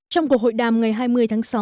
trong cuộc hội đàm ngày hai mươi tháng sáu